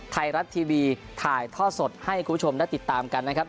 ไทยรัฐทีวีถ่ายท่อสดให้คุณผู้ชมได้ติดตามกันนะครับ